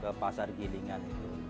ke pasar gilingan